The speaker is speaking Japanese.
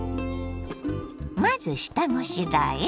まず下ごしらえ。